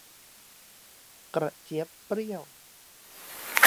กระเจี๊ยบเปรี้ยว